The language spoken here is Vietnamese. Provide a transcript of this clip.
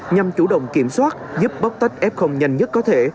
nhằm chủ động kiểm soát giúp bóc tách f nhanh nhất có thể